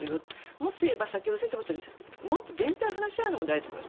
もっと言えば先ほど先生もおっしゃいましたもっと全体を話し合うのがいいと思います。